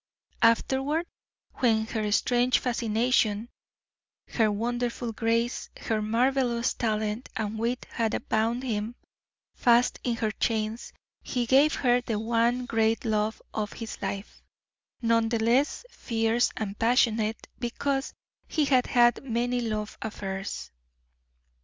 Afterward, when her strange fascination, her wonderful grace, her marvelous talent and wit had bound him fast in her chains, he gave her the one great love of his life, none the less fierce and passionate because he had had many love affairs.